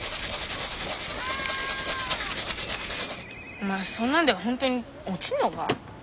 お前そんなんでほんとに落ちんのか？